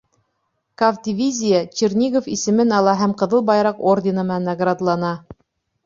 Кавдивизия Чернигов исемен ала һәм Ҡыҙыл Байраҡ ордены менән наградлана.